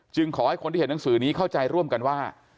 ขอให้คนที่เห็นหนังสือนี้เข้าใจร่วมกันว่า